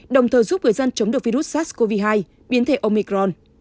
đồng thời giúp người dân chống được virus sars cov hai biến thể omicron